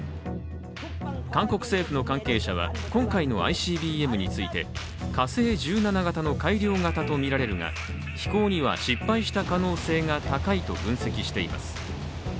韓国政府の関係者は今回のＩＣＢＭについて火星１７型の改良型とみられるが飛行には失敗した可能性が高いと分析しています。